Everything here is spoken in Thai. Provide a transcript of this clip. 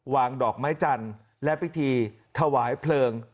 วางดอกไม้จันทร์และพิธีถวายเพลิง